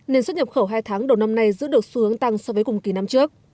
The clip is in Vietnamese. nên xuất nhập khẩu hai tháng đầu năm nay giữ được xu hướng tăng so với cùng kỳ năm trước